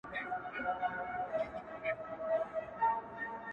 هره ورځ یې وي مرگی زموږ له زوره-